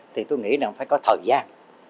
thì tôi nghĩ là phải có thời gian